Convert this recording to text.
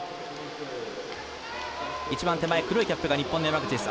一番手前の黒いキャップが日本の山口です。